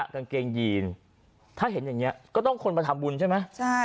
กางเกงยีนถ้าเห็นอย่างนี้ก็ต้องคนมาทำบุญใช่ไหมใช่